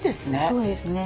そうですね。